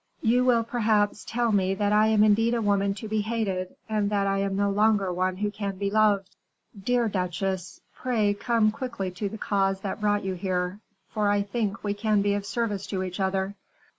You will, perhaps, tell me that I am indeed a woman to be hated, and that I am no longer one who can be loved." "Dear duchesse, pray come quickly to the cause that brought you here; for I think we can be of service to each other."